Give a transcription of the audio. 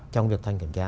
trong việc thanh kiểm tra